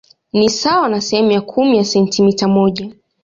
Ni sawa na sehemu ya kumi ya sentimita moja.